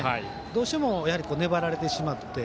どうしても、粘られてしまって。